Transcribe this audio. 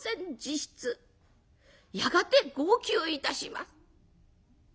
やがて号泣いたします。